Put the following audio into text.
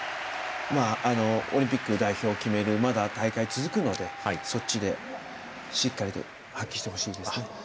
オリンピック代表を決める大会がまだ続くのでそっちで、しっかりと発揮してほしいですね。